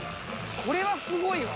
これはすごいわ。